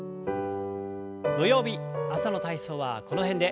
土曜日朝の体操はこの辺で。